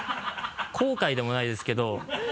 後悔でもないですけど。